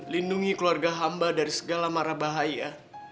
lindungi keluarga hamba dari segala mara bahaya